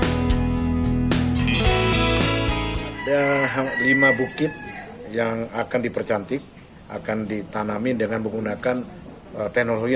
hai ada hal lima bukit yang akan dipercantik akan ditanami dengan menggunakan teknologi